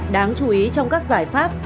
đáng chú ý trong các giải pháp